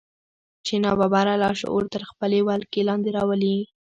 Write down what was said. چې ناببره لاشعور تر خپلې ولکې لاندې راولي.